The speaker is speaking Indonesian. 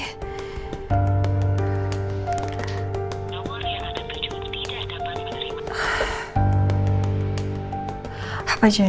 nunggu dia akan berjuang tidak dapat menerima